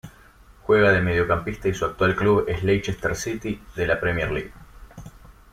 Juega de mediocampista y su actual club es Leicester City de la Premier League.